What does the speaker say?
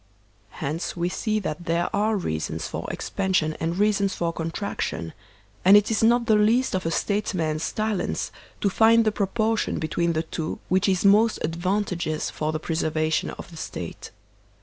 Hence we see that there are reasons for expansion and reasons for contraction; and it is not the least of a statesman's talents to find the proportion between the two which is most advantageous for the preservation of the State.